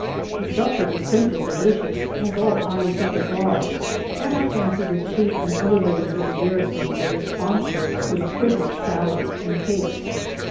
The supper was simply delicious as all army suppers are and I fancy that she and other ladies of the garrison were responsible for the perfect salads and cakes.